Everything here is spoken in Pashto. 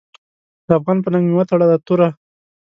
د افغان په ننګ مې وتړله توره .